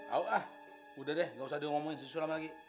ayo ah udah deh gak usah dia ngomongin si sulam lagi